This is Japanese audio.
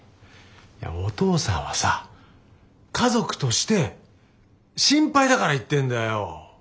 お父さんはさ家族として心配だから言ってんだよ。